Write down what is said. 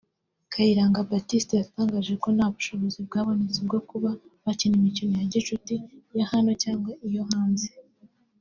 Kayiranga Baptiste yatangaje ko nta bushobozi bwabonetse bwo kuba bakina imikino ya gicuti ya hano cyangwa iyo hanze